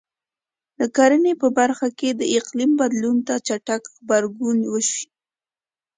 د کرنې په برخه کې د اقلیم بدلون ته چټک غبرګون وشي.